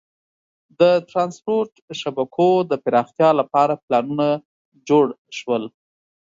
د ترانسپورت شبکو د پراختیا لپاره پلانونه جوړ شول.